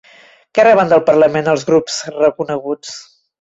Què reben del Parlament els grups reconeguts?